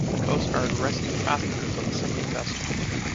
The coast guard rescued passengers of a sinking vessel.